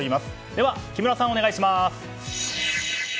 では木村さん、お願いします。